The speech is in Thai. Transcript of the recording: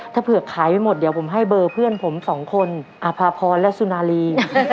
ถ้าเผื่อขายไม่หมดเดี๋ยวผมให้เบอร์เพื่อนผมสองคนอาภาพรและสุนารี